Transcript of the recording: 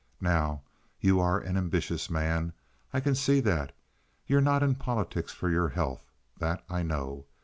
Now, you are an ambitious man; I can see that. You're not in politics for your health—that I know.